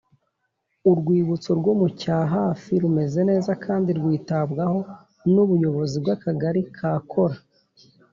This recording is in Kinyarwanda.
Urwibutso rwo mu Cyahafi rumeze neza kandi rwitabwaho n Ubuyobozi bw Akagari ka Kora